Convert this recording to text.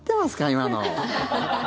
今の。